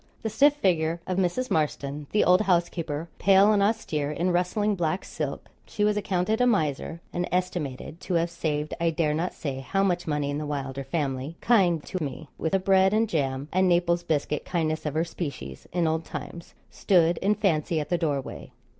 The stiff figure of Mrs. Marston, the old housekeeper, pale and austere, in rustling black silk (she was accounted a miser, and estimated to have saved I dare not say how much money in the Wylder family kind to me with the bread and jam and Naples biscuit kindness of her species, in old times) stood in fancy at the doorway.